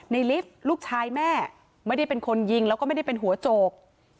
ลิฟต์ลูกชายแม่ไม่ได้เป็นคนยิงแล้วก็ไม่ได้เป็นหัวโจก